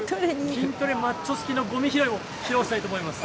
筋トレマッチョ好きのごみ拾いをご披露したいと思います。